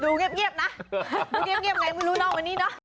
ดูเงียบนะดูเงียบอย่างไรไม่รู้น้องวันนี้นะ